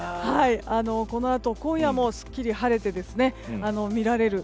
このあと今夜もすっきり晴れて見られる。